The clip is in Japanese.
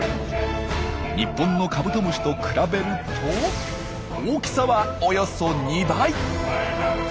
日本のカブトムシと比べると大きさはおよそ２倍！